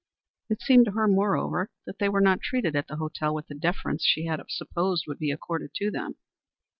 It seemed to her, moreover, that they were not treated at the hotel with the deference she had supposed would be accorded to them.